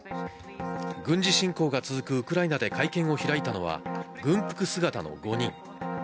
軍事侵攻が続くウクライナで会見を開いたのは軍服姿の５人。